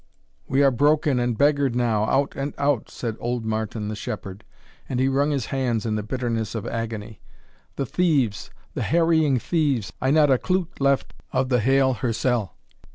"We are broken and beggared now, out and out," said old Martin the shepherd and he wrung his hands in the bitterness of agony, "the thieves, the harrying thieves I not a cloot left of the haill hirsel!"